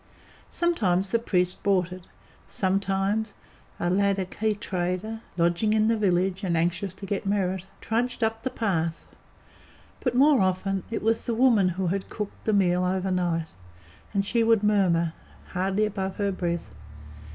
Sometimes the priest brought it; sometimes a Ladakhi trader, lodging in the village, and anxious to get merit, trudged up the path; but, more often, it was the woman who had cooked the meal overnight; and she would murmur, hardly above her breath.